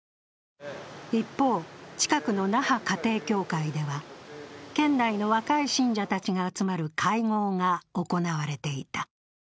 一方、近くの那覇家庭教会では、県内の若い信者たちが集まる会合が行われていた。